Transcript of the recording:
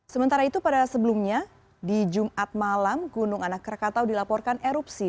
sementara itu pada sebelumnya di jumat malam gunung anak rakatau dilaporkan erupsi